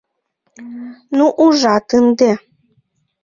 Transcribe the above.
— Ну ужат ынде...